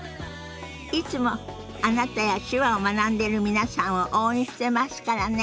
いつもあなたや手話を学んでる皆さんを応援してますからね。